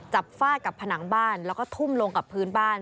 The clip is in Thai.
ฟาดกับผนังบ้านแล้วก็ทุ่มลงกับพื้นบ้าน